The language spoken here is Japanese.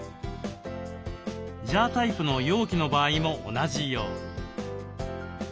ジャータイプの容器の場合も同じように。